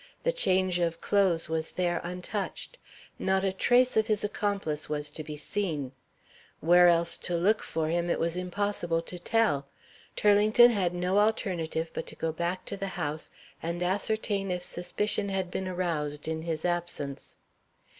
The change of clothes was there untouched; not a trace of his accomplice was to be seen. Where else to look for him it was impossible to tell. Turlington had no alternative but to go back to the house, and ascertain if suspicion had been aroused in his absence.)